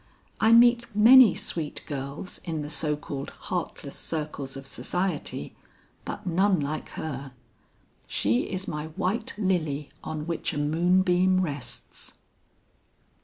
I meet many sweet girls in the so called heartless circles of society, but none like her. She is my white lily on which a moonbeam rests."